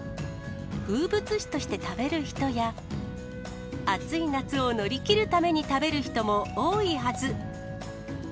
風物詩として食べる人や、暑い夏を乗り切るために食べる人も多いはず。